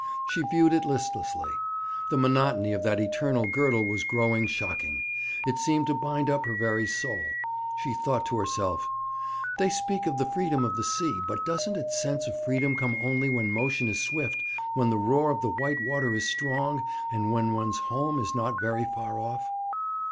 She viewed it listlessly. The monotony of that eternal girdle was growing shocking. It seemed to bind up her very soul. She thought to herself: 'They speak of the freedom of the sea. But doesn't its sense of freedom come only when motion is swift, when the roar of the white water is strong, and when one's home is not very far off?'